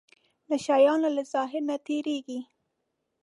د شيانو له ظاهر نه تېرېږي.